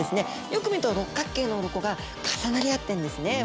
よく見ると六角形のうろこが重なり合ってるんですね。